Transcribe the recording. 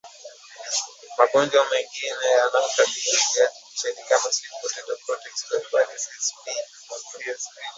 Magonjwa mengine yanayokabili viazi lishe ni kama Sweet Potato Chlorotic Stunt virus SPCSV